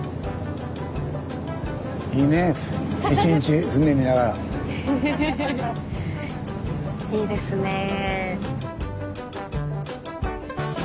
いいですねえ。